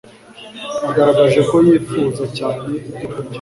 agaragaje ko yifuza cyane ibyokurya